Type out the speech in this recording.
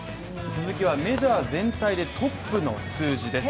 鈴木はメジャー全体でトップの数字です